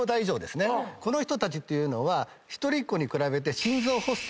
この人たちっていうのは一人っ子に比べて。